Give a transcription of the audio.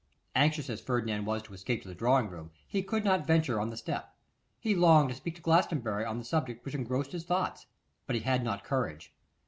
Anxious as Ferdinand was to escape to the drawing room, he could not venture on the step. He longed to speak to Glastonbury on the subject which engrossed his thoughts, but he had not courage.